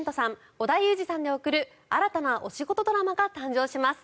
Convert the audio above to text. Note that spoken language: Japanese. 織田裕二さんで送る新たなお仕事ドラマが誕生します。